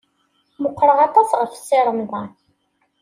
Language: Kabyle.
Meqqreɣ aṭas ɣef Si Remḍan.